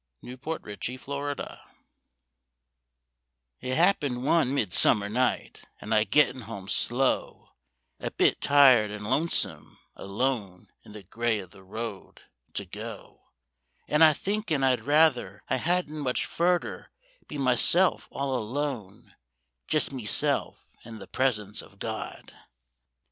116 /BMbsummer IKltgbt I T happened one midsummer night and I gettin' home slow, A bit tired an' lonesome, alone in the grey of the road, [to go And I thinkin' I'd rather I hadn't much furdher Be myself all alone, just meself and the Presence of God